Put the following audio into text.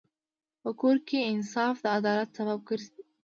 په کور کې انصاف د عدالت سبب ګرځي.